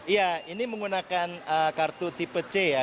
iya ini menggunakan kartu tipe c ya